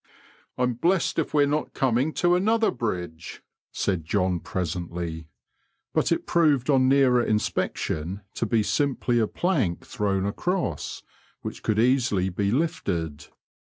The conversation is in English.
" I'm blessed if we are not coming to another bridge," said John presently ; but it proved on nearer inspection to be simply a plank thrown across, which could easily be lifted.